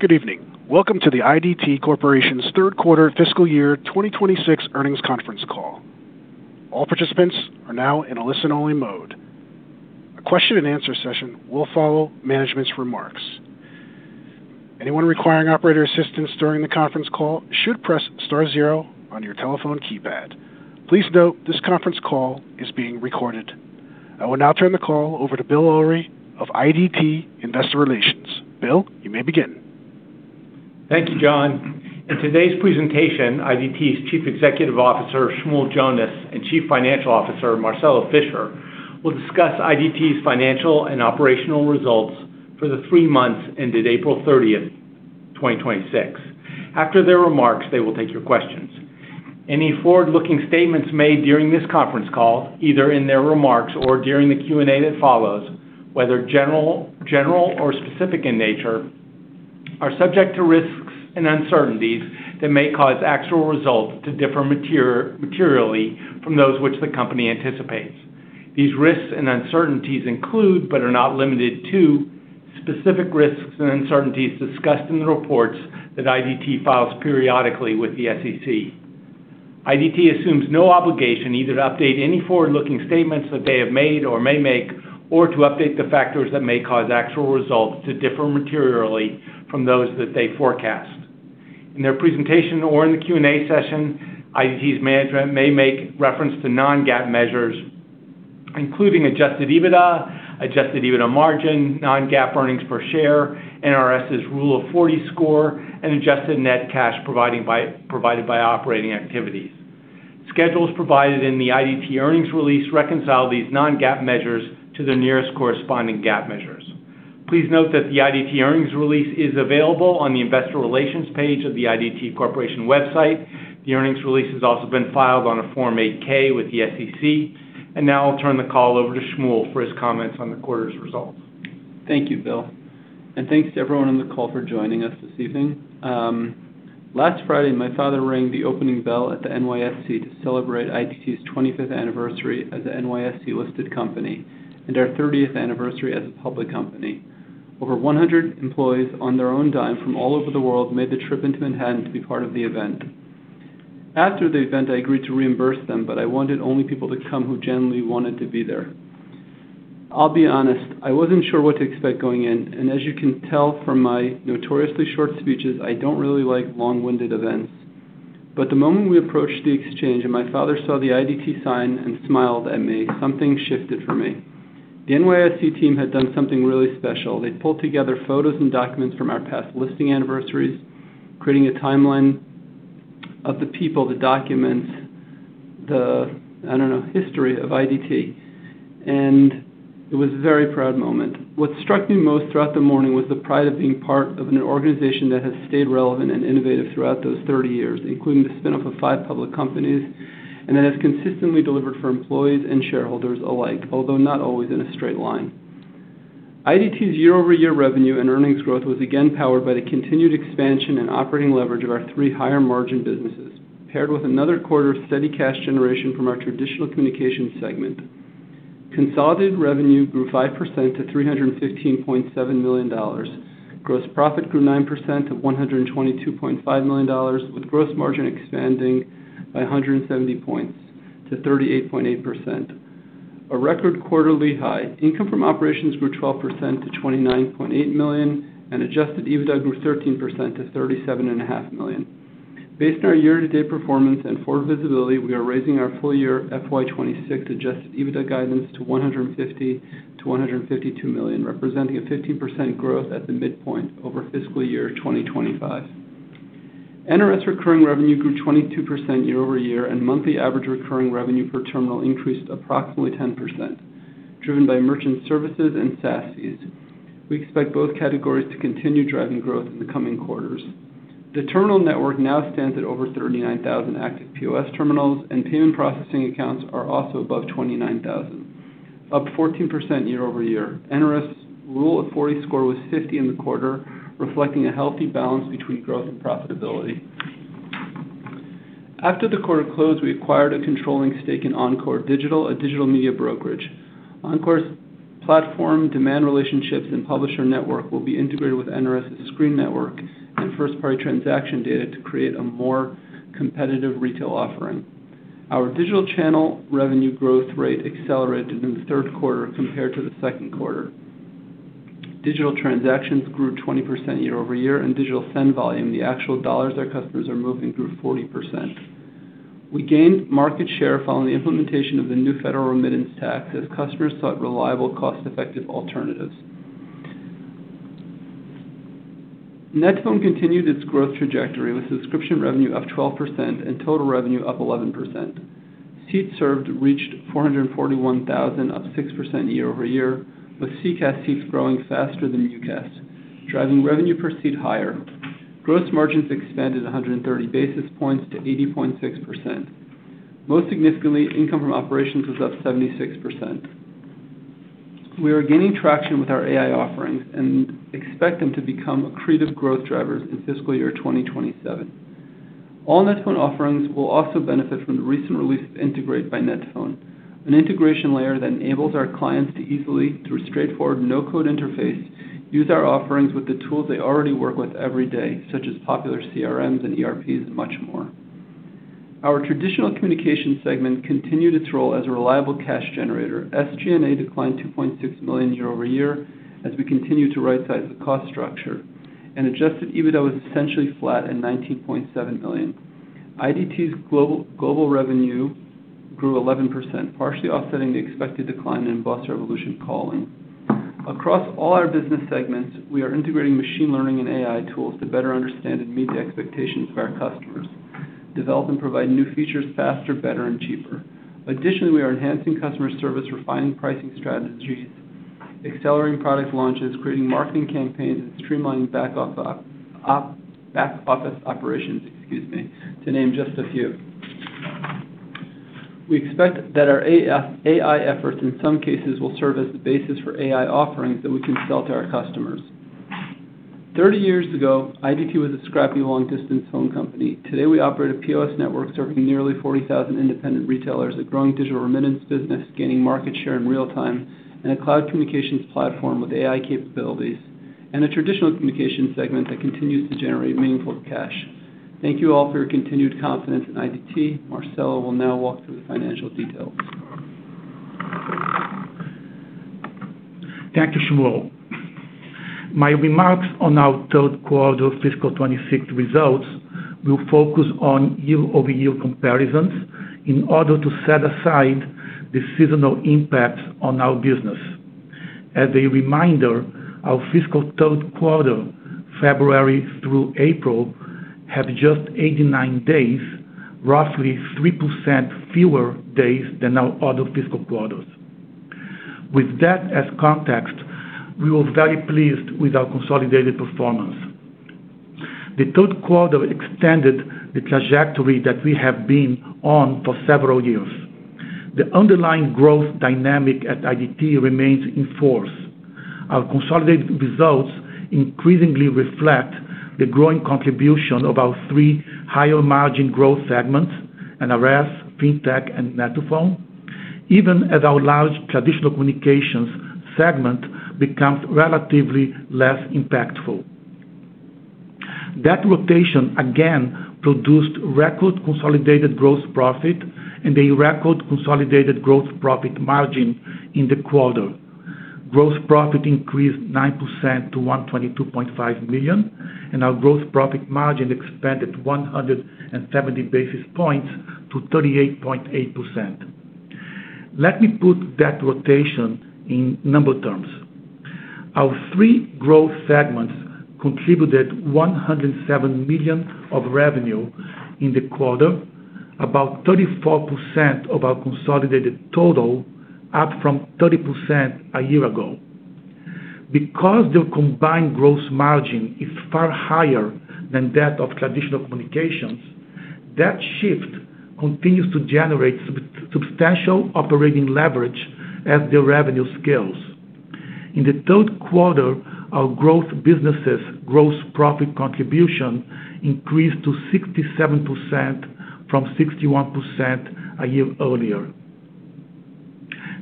Good evening. Welcome to the IDT Corporation's third quarter fiscal year 2026 earnings conference call. All participants are now in a listen-only mode. A question and answer session will follow management's remarks. Anyone requiring operator assistance during the conference call should press star zero on your telephone keypad. Please note this conference call is being recorded. I will now turn the call over to Bill Ulrey of IDT Investor Relations. Bill, you may begin. Thank you, John. In today's presentation, IDT's Chief Executive Officer, Shmuel Jonas, and Chief Financial Officer, Marcelo Fischer, will discuss IDT's financial and operational results for the three months ended April 30th, 2026. After their remarks, they will take your questions. Any forward-looking statements made during this conference call, either in their remarks or during the Q&A that follows, whether general or specific in nature, are subject to risks and uncertainties that may cause actual results to differ materially from those which the company anticipates. These risks and uncertainties include, but are not limited to, specific risks and uncertainties discussed in the reports that IDT files periodically with the SEC. IDT assumes no obligation either to update any forward-looking statements that they have made or may make, or to update the factors that may cause actual results to differ materially from those that they forecast. In their presentation or in the Q&A session, IDT's management may make reference to non-GAAP measures, including Adjusted EBITDA, Adjusted EBITDA Margin, Non-GAAP Earnings Per Share, NRS's Rule of 40 score, and adjusted net cash provided by operating activities. Schedules provided in the IDT earnings release reconcile these non-GAAP measures to the nearest corresponding GAAP measures. Please note that the IDT earnings release is available on the investor relations page of the IDT Corporation website. The earnings release has also been filed on a Form 8-K with the SEC. Now I'll turn the call over to Shmuel for his comments on the quarter's results. Thank you, Bill. Thanks to everyone on the call for joining us this evening. Last Friday, my father rang the opening bell at the NYSE to celebrate IDT's 25th anniversary as an NYSE-listed company and our 30th anniversary as a public company. Over 100 employees on their own dime from all over the world made the trip into Manhattan to be part of the event. After the event, I agreed to reimburse them. I wanted only people to come who genuinely wanted to be there. I'll be honest, I wasn't sure what to expect going in. As you can tell from my notoriously short speeches, I don't really like long-winded events. The moment we approached the Exchange and my father saw the IDT sign and smiled at me, something shifted for me. The NYSE team had done something really special. They'd pulled together photos and documents from our past listing anniversaries, creating a timeline of the people, the documents, the history of IDT, and it was a very proud moment. What struck me most throughout the morning was the pride of being part of an organization that has stayed relevant and innovative throughout those 30 years, including the spin-off of five public companies, and that has consistently delivered for employees and shareholders alike, although not always in a straight line. IDT's year-over-year revenue and earnings growth was again powered by the continued expansion and operating leverage of our three higher-margin businesses, paired with another quarter of steady cash generation from our traditional communications segment. Consolidated revenue grew 5% to $315.7 million. Gross profit grew 9% to $122.5 million, with gross margin expanding by 170 points to 38.8%, a record quarterly high. Income from operations grew 12% to $29.8 million, and Adjusted EBITDA grew 13% to $37.5 million. Based on our year-to-date performance and forward visibility, we are raising our full-year FY 2026 Adjusted EBITDA guidance to $150 million-$152 million, representing a 15% growth at the midpoint over fiscal year 2025. NRS recurring revenue grew 22% year-over-year, and monthly average recurring revenue per terminal increased approximately 10%, driven by merchant services and SaaS fees. We expect both categories to continue driving growth in the coming quarters. The terminal network now stands at over 39,000 active POS terminals, and payment processing accounts are also above 29,000, up 14% year-over-year. NRS's Rule of 40 score was 50 in the quarter, reflecting a healthy balance between growth and profitability. After the quarter closed, we acquired a controlling stake in OnCore Digital, a digital media brokerage. OnCore's platform demand relationships and publisher network will be integrated with NRS's screen network and first-party transaction data to create a more competitive retail offering. Our digital channel revenue growth rate accelerated in the third quarter compared to the second quarter. Digital transactions grew 20% year-over-year, and digital send volume, the actual dollars our customers are moving, grew 40%. We gained market share following the implementation of the new federal remittance tax as customers sought reliable, cost-effective alternatives. net2phone continued its growth trajectory with subscription revenue up 12% and total revenue up 11%. Seats served reached 441,000, up 6% year-over-year, with CCaaS seats growing faster than UCaaS, driving revenue per seat higher. Gross margins expanded 130 basis points to 80.6%. Most significantly, income from operations was up 76%. We are gaining traction with our AI offerings and expect them to become accretive growth drivers in fiscal year 2027. All net2phone offerings will also benefit from the recent release of Integrate by net2phone, an integration layer that enables our clients to easily, through a straightforward no-code interface, use our offerings with the tools they already work with every day, such as popular CRMs and ERPs, and much more. Our traditional communication segment continued its role as a reliable cash generator. SG&A declined $2.6 million year-over-year as we continue to right size the cost structure and Adjusted EBITDA was essentially flat at $19.7 million. IDT's global revenue grew 11%, partially offsetting the expected decline in BOSS Revolution Calling. Across all our business segments, we are integrating machine learning and AI tools to better understand and meet the expectations of our customers, develop and provide new features faster, better and cheaper. Additionally, we are enhancing customer service, refining pricing strategies, accelerating product launches, creating marketing campaigns, and streamlining back-office operations, excuse me, to name just a few. We expect that our AI efforts in some cases will serve as the basis for AI offerings that we can sell to our customers. 30 years ago, IDT was a scrappy long distance phone company. Today, we operate a POS network serving nearly 40,000 independent retailers, a growing digital remittance business, gaining market share in real time, and a cloud communications platform with AI capabilities, and a traditional communications segment that continues to generate meaningful cash. Thank you all for your continued confidence in IDT. Marcelo will now walk through the financial details. Thank you, Shmuel. My remarks on our third quarter fiscal 2026 results will focus on year-over-year comparisons in order to set aside the seasonal impact on our business. As a reminder, our fiscal third quarter, February through April, had just 89 days, roughly 3% fewer days than our other fiscal quarters. With that as context, we were very pleased with our consolidated performance. The third quarter extended the trajectory that we have been on for several years. The underlying growth dynamic at IDT remains in force. Our consolidated results increasingly reflect the growing contribution of our three higher margin growth segments, NRS, Fintech and net2phone. Even as our large traditional communications segment becomes relatively less impactful. That rotation again produced record consolidated gross profit and a record consolidated gross profit margin in the quarter. Gross profit increased 9% to $122.5 million, and our gross profit margin expanded 170 basis points to 38.8%. Let me put that rotation in number terms. Our three growth segments contributed $107 million of revenue in the quarter, about 34% of our consolidated total, up from 30% a year ago. Because their combined gross margin is far higher than that of traditional communications, that shift continues to generate substantial operating leverage as the revenue scales. In the third quarter, our growth businesses' gross profit contribution increased to 67% from 61% a year earlier.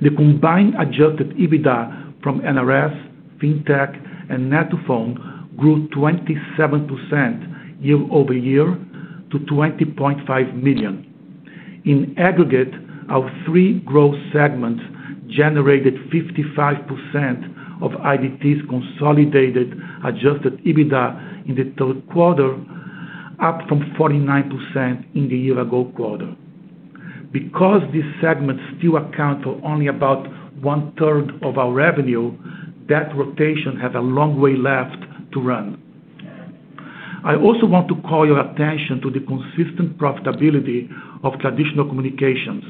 The combined Adjusted EBITDA from NRS, Fintech, and net2phone grew 27% year-over-year to $20.5 million. In aggregate, our three growth segments generated 55% of IDT's consolidated Adjusted EBITDA in the third quarter, up from 49% in the year-ago quarter. Because these segments still account for only about one third of our revenue, that rotation has a long way left to run. I also want to call your attention to the consistent profitability of traditional communications,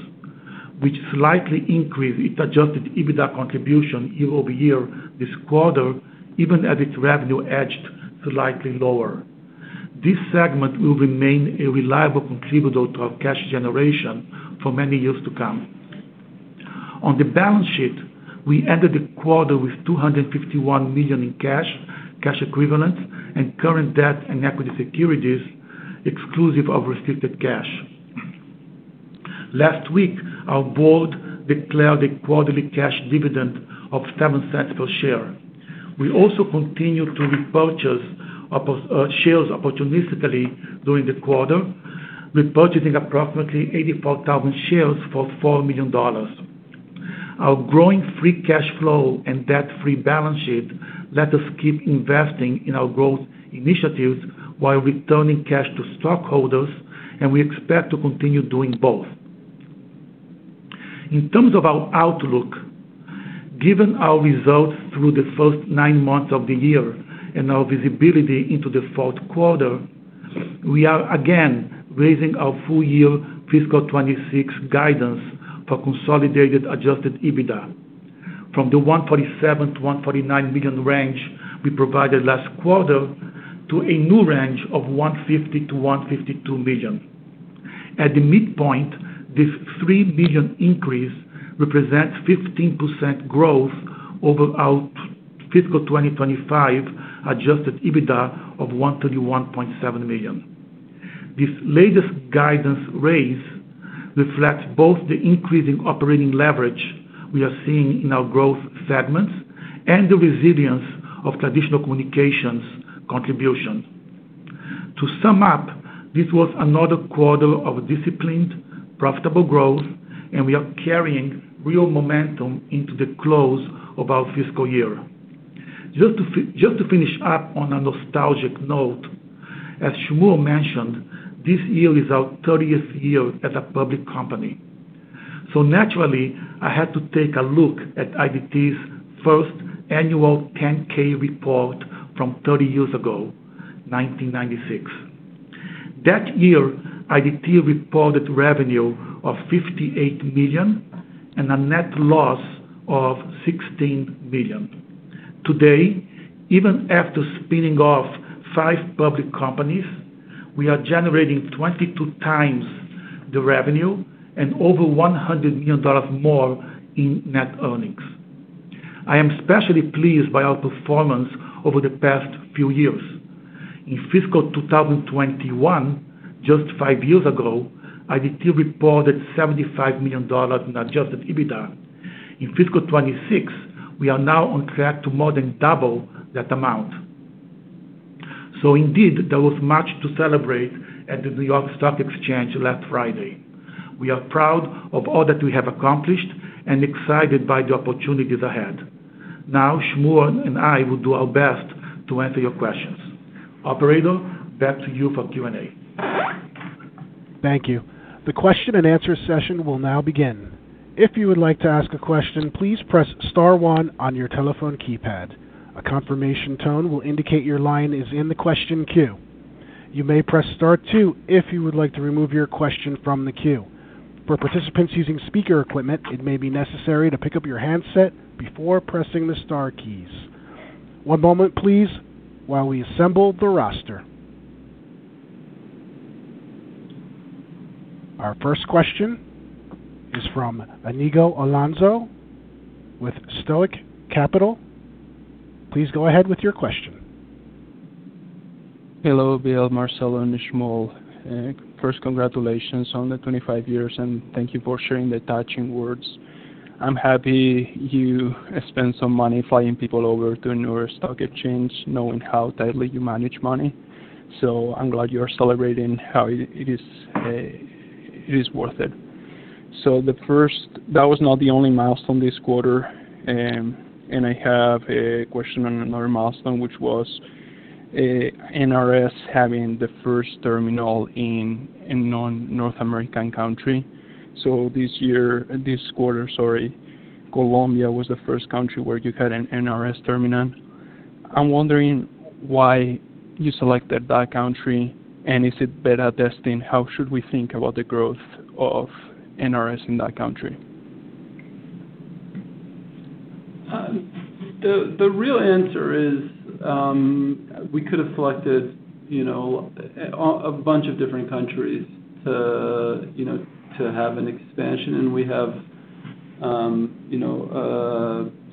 which slightly increased its Adjusted EBITDA contribution year-over-year this quarter, even as its revenue edged slightly lower. This segment will remain a reliable contributor to our cash generation for many years to come. On the balance sheet, we ended the quarter with $251 million in cash equivalents, and current debt and equity securities exclusive of restricted cash. Last week, our board declared a quarterly cash dividend of $0.07 per share. We also continued to repurchase shares opportunistically during the quarter, repurchasing approximately 84,000 shares for $4 million. Our growing free cash flow and debt-free balance sheet let us keep investing in our growth initiatives while returning cash to stockholders, and we expect to continue doing both. In terms of our outlook, given our results through the first nine months of the year and our visibility into the fourth quarter, we are again raising our full year fiscal 2026 guidance for consolidated Adjusted EBITDA from the $147 million-$149 million range we provided last quarter to a new range of $150 million-$152 million. At the midpoint, this $3 million increase represents 15% growth over our fiscal 2025 Adjusted EBITDA of $131.7 million. This latest guidance raise reflects both the increasing operating leverage we are seeing in our growth segments and the resilience of traditional communications contribution. To sum up, this was another quarter of disciplined, profitable growth, and we are carrying real momentum into the close of our fiscal year. Just to finish up on a nostalgic note, as Shmuel mentioned, this year is our 30th year as a public company. Naturally, I had to take a look at IDT's first annual 10-K report from 30 years ago, 1996. That year, IDT reported revenue of $58 million and a net loss of $16 million. Today, even after spinning off five public companies, we are generating 22 times the revenue and over $100 million more in net earnings. I am especially pleased by our performance over the past few years. In fiscal 2021, just five years ago, IDT reported $75 million in Adjusted EBITDA. In fiscal 2026, we are now on track to more than double that amount. Indeed, there was much to celebrate at the New York Stock Exchange last Friday. We are proud of all that we have accomplished and excited by the opportunities ahead. Shmuel and I will do our best to answer your questions. Operator, back to you for Q&A. Thank you. The question and answer session will now begin. If you would like to ask a question, please press star one on your telephone keypad. A confirmation tone will indicate your line is in the question queue. You may press star two if you would like to remove your question from the queue. For participants using speaker equipment, it may be necessary to pick up your handset before pressing the star keys. One moment please while we assemble the roster. Our first question is from Iñigo Alonso with Stoic Capital. Please go ahead with your question. Hello, Bill, Marcelo, and Shmuel. First, congratulations on the 25 years. Thank you for sharing the touching words. I'm happy you spent some money flying people over to the New York Stock Exchange, knowing how tightly you manage money. I'm glad you are celebrating how it is worth it. That was not the only milestone this quarter. I have a question on another milestone, which was NRS having the first terminal in a non-North American country. This quarter, Colombia was the first country where you had an NRS terminal. I'm wondering why you selected that country. Is it beta testing? How should we think about the growth of NRS in that country? The real answer is we could have selected a bunch of different countries to have an expansion, and we have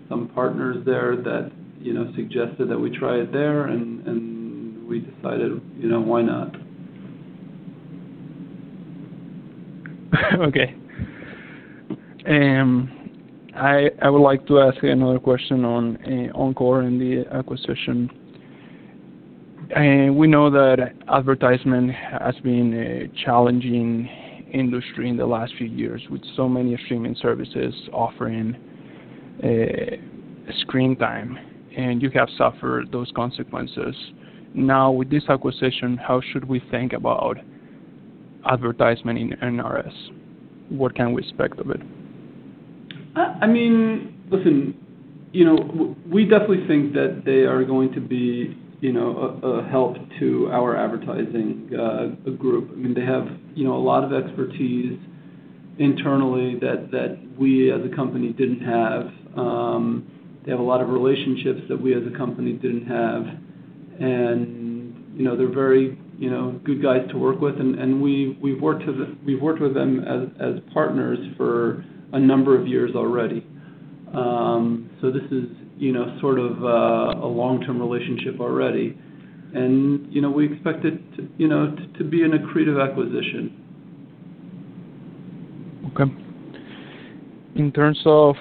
some partners there that suggested that we try it there, and we decided why not? Okay. I would like to ask another question on OnCore and the acquisition. We know that advertisement has been a challenging industry in the last few years, with so many streaming services offering screen time, and you have suffered those consequences. Now, with this acquisition, how should we think about advertisement in NRS? What can we expect of it? Listen, we definitely think that they are going to be a help to our advertising group. They have a lot of expertise internally that we as a company didn't have. They have a lot of relationships that we as a company didn't have, and they're very good guys to work with, and we've worked with them as partners for a number of years already. This is sort of a long-term relationship already. We expect it to be an accretive acquisition. Okay. In terms of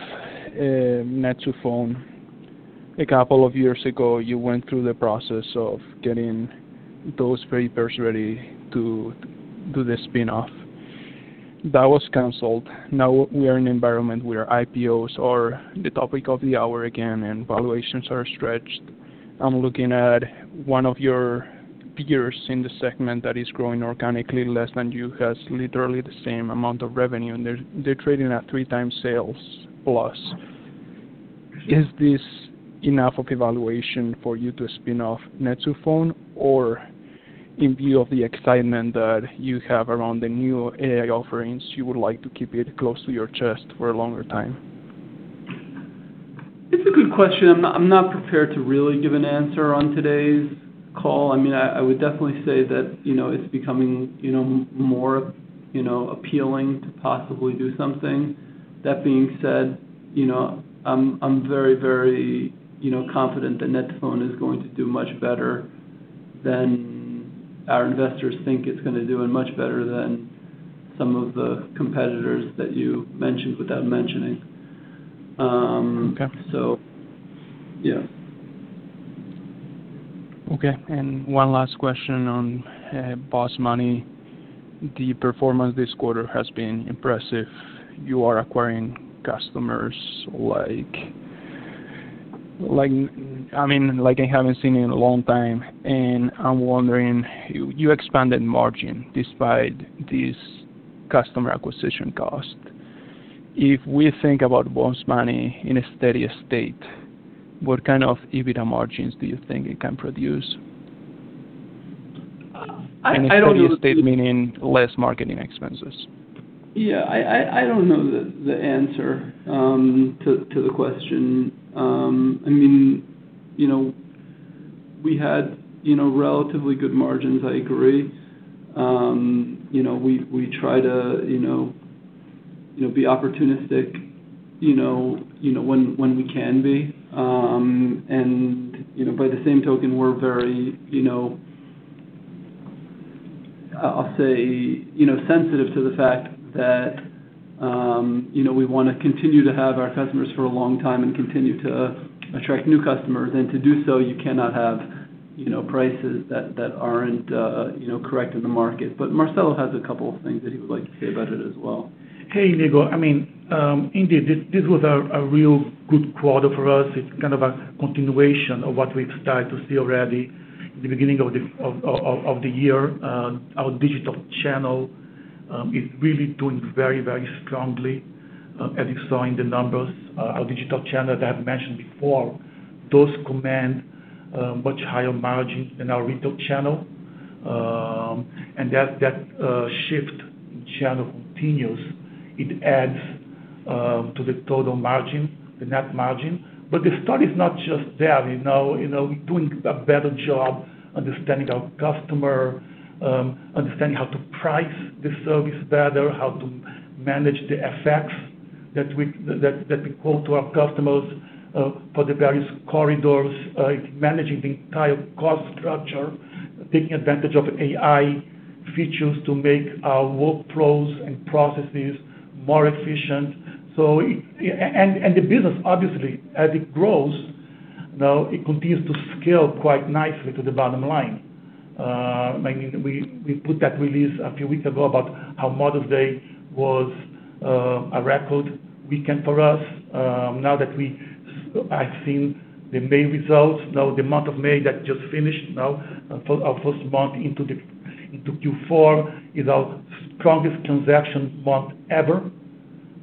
net2phone, a couple of years ago, you went through the process of getting those papers ready to do the spin-off. That was canceled. Now we are in an environment where IPOs are the topic of the hour again, and valuations are stretched. I'm looking at one of your peers in the segment that is growing organically less than you, has literally the same amount of revenue, and they're trading at three times sales plus. Is this enough of a valuation for you to spin off net2phone, or in view of the excitement that you have around the new AI offerings, you would like to keep it close to your chest for a longer time? It's a good question. I'm not prepared to really give an answer on today's call. I would definitely say that it's becoming more appealing to possibly do something. That being said, I'm very confident that net2phone is going to do much better than our investors think it's going to do and much better than some of the competitors that you mentioned without mentioning. Okay. Yeah. Okay. One last question on BOSS Money. The performance this quarter has been impressive. You are acquiring customers like I haven't seen in a long time. I'm wondering, you expanded margin despite this customer acquisition cost. If we think about BOSS Money in a steady state, what kind of EBITDA margins do you think it can produce? In a steady state, meaning less marketing expenses. Yeah. I don't know the answer to the question. We had relatively good margins, I agree. We try to be opportunistic when we can be. By the same token, we're very, I'll say, sensitive to the fact that we want to continue to have our customers for a long time and continue to attract new customers. To do so, you cannot have prices that aren't correct in the market. Marcelo has a couple of things that he would like to say about it as well. Hey, Iñigo. Indeed, this was a real good quarter for us. It's kind of a continuation of what we've started to see already the beginning of the year. Our digital channel is really doing very strongly, as you saw in the numbers. Our digital channel, as I've mentioned before, does command much higher margins than our retail channel. As that shift in channel continues, it adds to the total margin, the net margin. The story is not just there. We're doing a better job understanding our customer, understanding how to price the service better, how to manage the FX that we quote to our customers for the various corridors, managing the entire cost structure, taking advantage of AI features to make our workflows and processes more efficient. The business, obviously, as it grows, now it continues to scale quite nicely to the bottom line. We put that release a few weeks ago about how Mother's Day was a record weekend for us. Now that we have seen the May results, now the month of May that just finished, now our first month into Q4 is our strongest transaction month ever.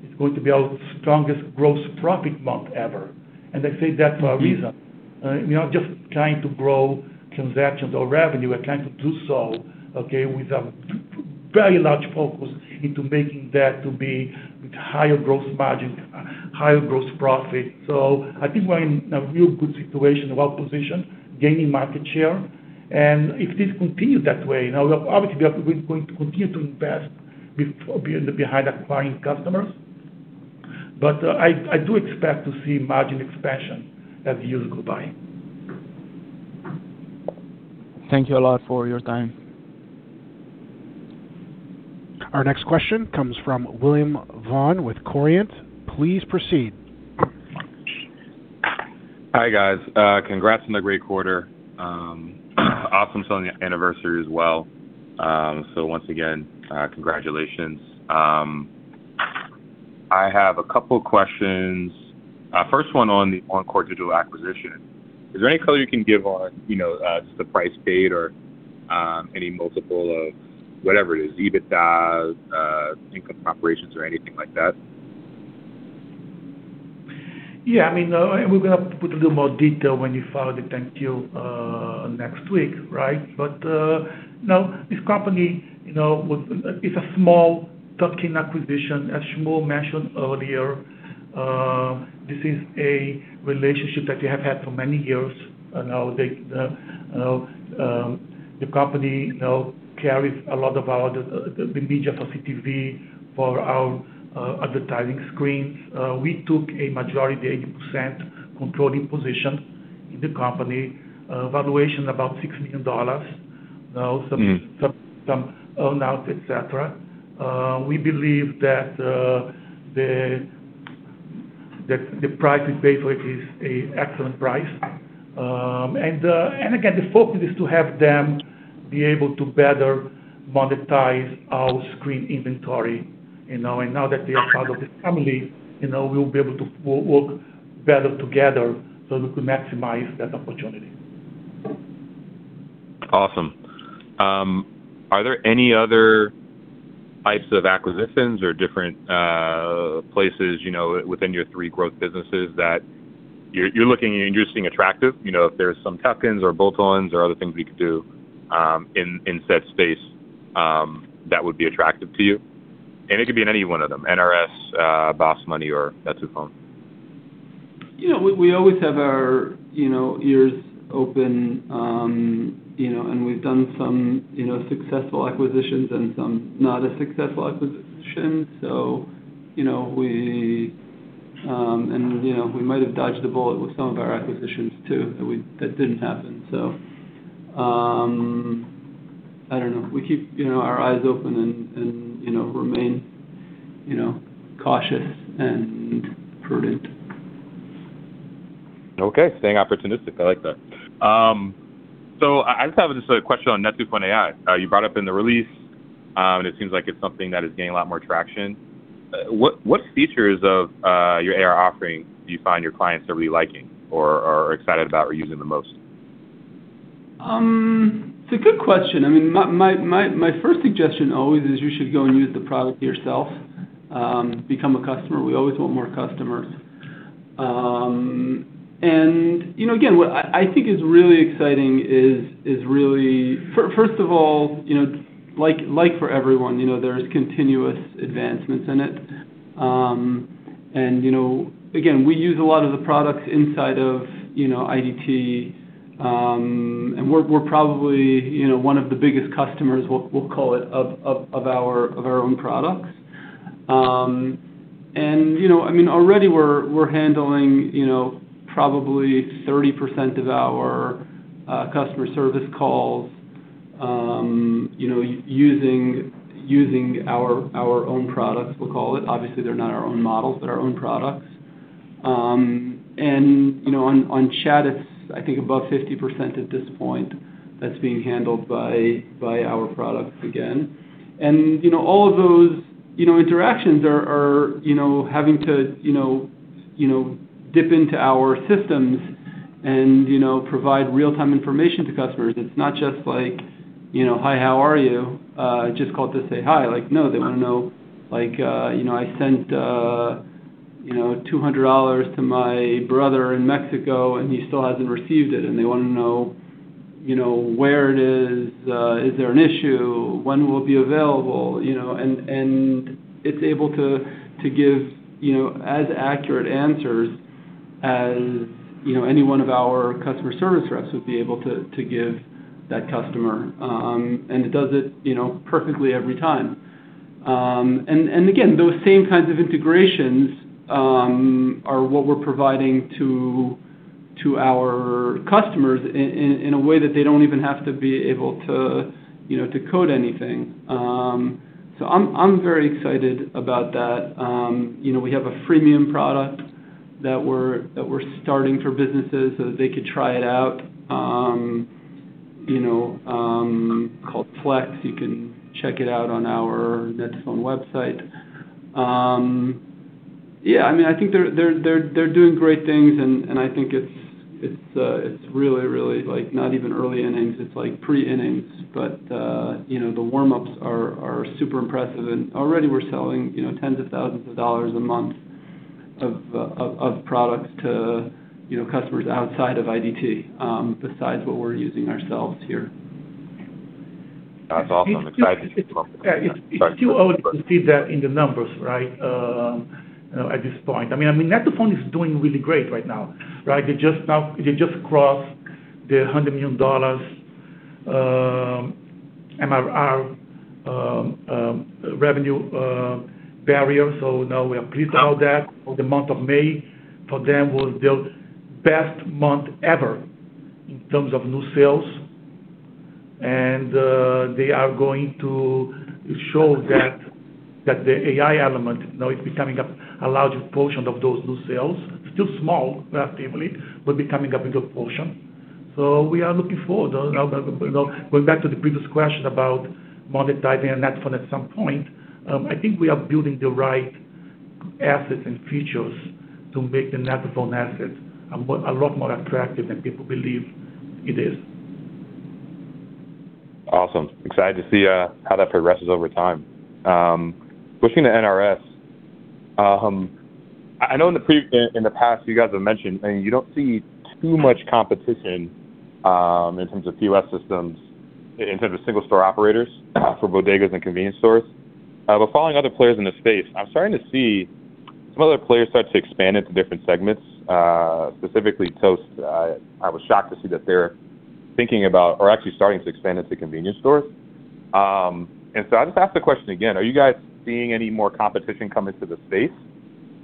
It's going to be our strongest gross profit month ever. I say that for a reason. We're not just trying to grow transactions or revenue. We're trying to do so, okay, with a very large focus into making that to be with higher gross margin, higher gross profit. I think we're in a real good situation, well-positioned, gaining market share. If this continues that way, now obviously, we are going to continue to invest behind acquiring customers. I do expect to see margin expansion as the years go by. Thank you a lot for your time. Our next question comes from William Vaughan with Corient. Please proceed. Hi, guys. Congrats on the great quarter. Awesome silver anniversary as well. Once again, congratulations. I have a couple questions. First one on the OnCore Digital acquisition. Is there any color you can give on just the price paid or any multiple of whatever it is, EBITDA, income from operations, or anything like that? Yeah. We're going to put a little more detail when we file the 10-Q next week. This company is a small tuck-in acquisition. As Shmuel mentioned earlier, this is a relationship that we have had for many years now. The company now carries a lot of our media for CTV, for our advertising screens. We took a majority, 80% controlling position in the company. Valuation about $6 million. Now some earn-out, et cetera. We believe that the price we paid for it is an excellent price. Again, the focus is to have them be able to better monetize our screen inventory. Now that they are part of this family, we'll be able to work better together so we could maximize that opportunity. Awesome. Are there any other types of acquisitions or different places within your three growth businesses that you're looking and you're seeing attractive? If there's some tuck-ins or bolt-ons or other things we could do in said space that would be attractive to you? It could be in any one of them, NRS, BOSS Money, or net2phone. We always have our ears open, and we've done some successful acquisitions and some not as successful acquisitions. We might have dodged the bullet with some of our acquisitions, too, that didn't happen. I don't know. We keep our eyes open and remain cautious and prudent. Okay. Staying opportunistic. I like that. I just have a question on net2phone AI. You brought up in the release, and it seems like it's something that is gaining a lot more traction. What features of your AI offering do you find your clients are really liking or are excited about or using the most? It's a good question. My first suggestion always is you should go and use the product yourself. Become a customer. We always want more customers. Again, what I think is really exciting is really, first of all, like for everyone, there's continuous advancements in it. Again, we use a lot of the products inside of IDT, and we're probably one of the biggest customers, we'll call it, of our own products. Already we're handling probably 30% of our customer service calls using our own products, we'll call it. Obviously, they're not our own models, but our own products. On chat, it's I think above 50% at this point that's being handled by our products again. All of those interactions are having to dip into our systems and provide real-time information to customers. It's not just like, "Hi, how are you? Just called to say hi." No, they want to know, "I sent $200 to my brother in Mexico, and he still hasn't received it," and they want to know where it is there an issue, when will it be available? It's able to give as accurate answers as any one of our customer service reps would be able to give that customer, and it does it perfectly every time. Again, those same kinds of integrations are what we're providing to our customers in a way that they don't even have to be able to code anything. I'm very excited about that. We have a freemium product that we're starting for businesses so that they could try it out, called Flex. You can check it out on our net2phone website. I think they're doing great things, and I think it's really not even early innings, it's pre-innings. The warm-ups are super impressive, and already we're selling tens of thousands of dollars a month of products to customers outside of IDT, besides what we're using ourselves here. That's awesome. It's too early to see that in the numbers at this point. net2phone is doing really great right now. They just crossed the $100 million ARR revenue barrier. Now we are pleased about that. For the month of May, for them, was their best month ever in terms of new sales. They are going to show that the AI element now is becoming a larger portion of those new sales. It's still small, relatively, but becoming a bigger portion. We are looking forward. Going back to the previous question about monetizing a net2phone at some point, I think we are building the right assets and features to make the net2phone asset a lot more attractive than people believe it is. Awesome. Excited to see how that progresses over time. Switching to NRS. I know in the past you guys have mentioned, you don't see too much competition in terms of POS systems, in terms of single store operators for bodegas and convenience stores. Following other players in the space, I'm starting to see some other players start to expand into different segments, specifically Toast. I was shocked to see that they're thinking about or actually starting to expand into convenience stores. I'll just ask the question again, are you guys seeing any more competition come into the space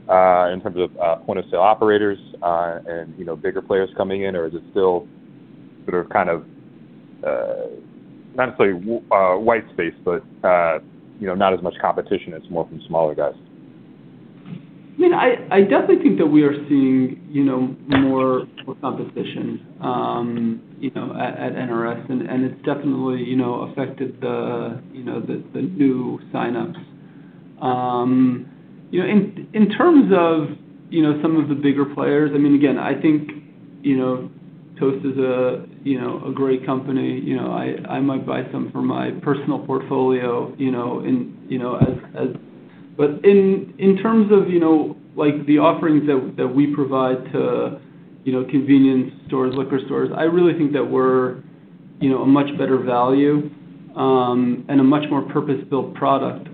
in terms of point-of-sale operators and bigger players coming in, or is it still sort of, not necessarily a white space, but not as much competition, it's more from smaller guys? I definitely think that we are seeing more competition at NRS, and it's definitely affected the new sign-ups. In terms of some of the bigger players, again, I think Toast, Inc. is a great company. I might buy some for my personal portfolio. In terms of the offerings that we provide to convenience stores, liquor stores, I really think that we're a much better value, and a much more purpose-built product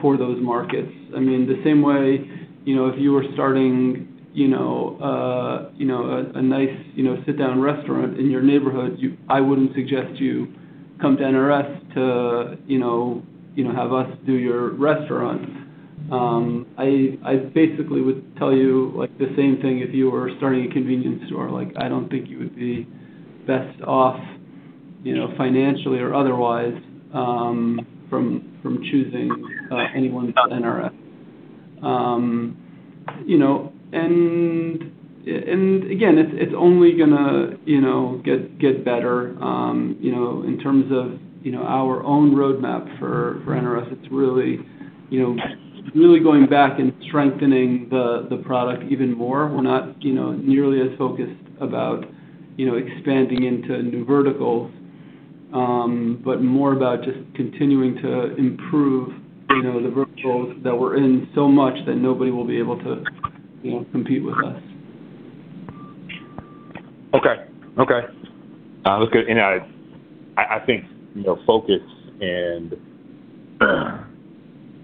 for those markets. The same way if you were starting a nice sit-down restaurant in your neighborhood, I wouldn't suggest you come to NRS to have us do your restaurant. I basically would tell you the same thing if you were starting a convenience store. I don't think you would be best off financially or otherwise from choosing anyone but NRS. Again, it's only going to get better in terms of our own roadmap for NRS. It's really going back and strengthening the product even more. We're not nearly as focused about expanding into new verticals, but more about just continuing to improve the verticals that we're in so much that nobody will be able to compete with us. Okay. That's good. I think focus and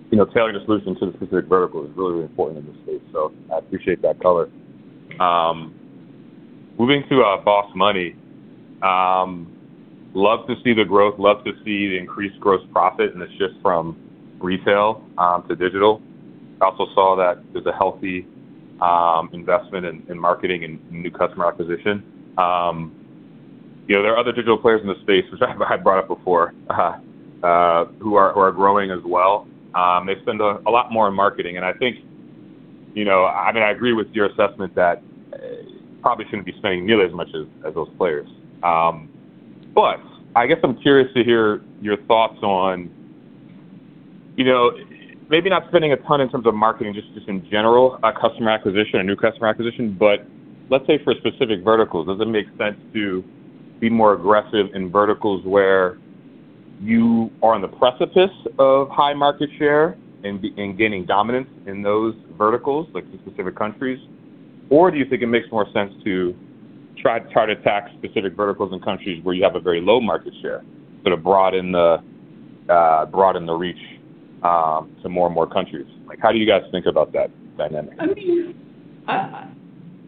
tailoring a solution to the specific vertical is really important in this space, so I appreciate that color. Moving to BOSS Money. Love to see the growth, love to see the increased gross profit and the shift from retail to digital. I also saw that there's a healthy investment in marketing and new customer acquisition. There are other digital players in the space, which I brought up before, who are growing as well. They spend a lot more in marketing. I think I agree with your assessment that probably shouldn't be spending nearly as much as those players. I guess I'm curious to hear your thoughts on maybe not spending a ton in terms of marketing, just in general, customer acquisition or new customer acquisition. Let's say for specific verticals, does it make sense to be more aggressive in verticals where you are on the precipice of high market share and gaining dominance in those verticals, like the specific countries? Do you think it more sense to try to attack specific verticals in countries where you have a very low market share, sort of broaden the reach to more and more countries? How do you guys think about that dynamic?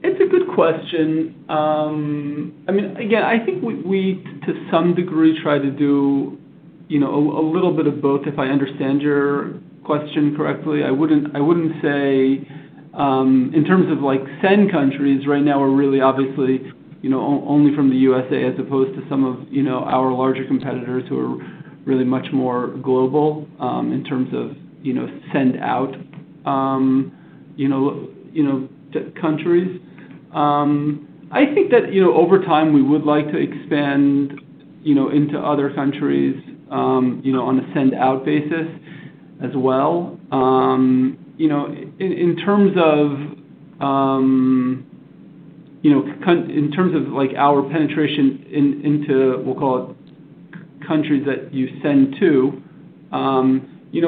It's a good question. I think we, to some degree, try to do a little bit of both, if I understand your question correctly. I wouldn't say, in terms of send countries right now, we're really obviously only from the USA, as opposed to some of our larger competitors who are really much more global, in terms of send-out countries. I think that over time, we would like to expand into other countries on a send-out basis as well. In terms of our penetration into, we'll call it countries that you send to,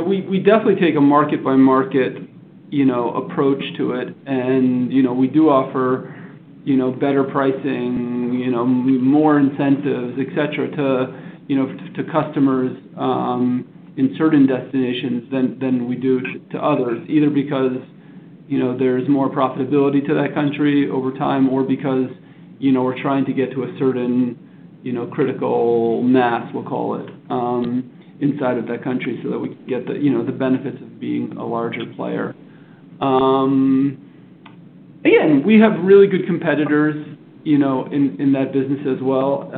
we definitely take a market-by-market approach to it. We do offer better pricing, more incentives, et cetera, to customers in certain destinations than we do to others, either because there's more profitability to that country over time or because we're trying to get to a certain critical mass, we'll call it, inside of that country so that we can get the benefits of being a larger player. Again, we have really good competitors in that business as well.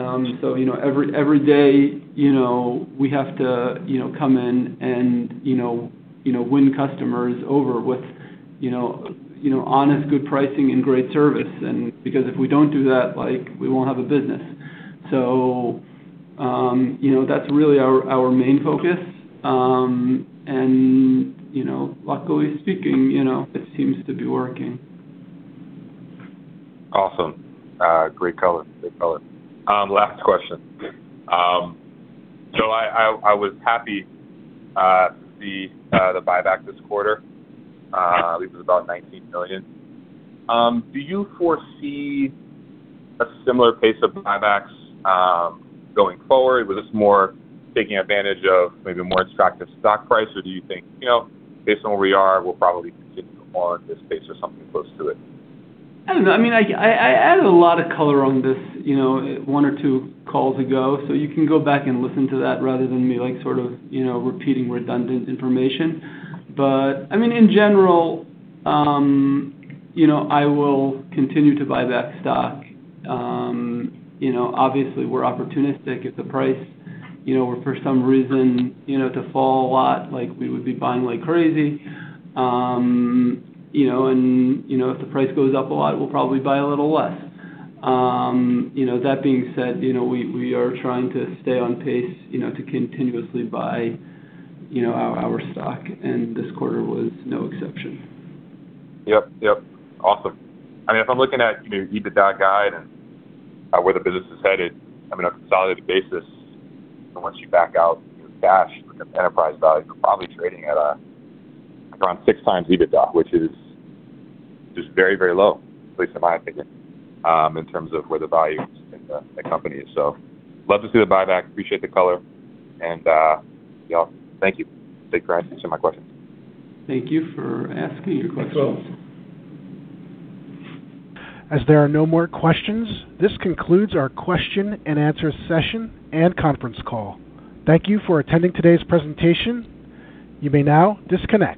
Every day, we have to come in and win customers over with honest, good pricing and great service. Because if we don't do that, we won't have a business. That's really our main focus. Luckily speaking, it seems to be working. Awesome. Great color. Last question. I was happy to see the buyback this quarter. I believe it was about $4 million. Do you foresee a similar pace of buybacks going forward? Was this more taking advantage of maybe a more attractive stock price, or do you think, based on where we are, we'll probably continue to monitor this space or something close to it? I don't know. I added a lot of color on this one or two calls ago, so you can go back and listen to that rather than me sort of repeating redundant information. In general, I will continue to buy back stock. Obviously, we're opportunistic. If the price were, for some reason, to fall a lot, we would be buying like crazy. If the price goes up a lot, we'll probably buy a little less. That being said, we are trying to stay on pace to continuously buy our stock, and this quarter was no exception. Yep. Awesome. If I'm looking at EBITDA guide and where the business is headed on a consolidated basis, and once you back out cash from the enterprise value, you're probably trading at around 6x EBITDA, which is just very low, at least in my opinion, in terms of where the value is in the company. Love to see the buyback, appreciate the color, and thank you. Stay classy. Thanks for my questions. Thank you for asking your questions. Cool. As there are no more questions, this concludes our question and answer session and conference call. Thank you for attending today's presentation. You may now disconnect.